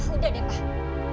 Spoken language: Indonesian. udah deh pak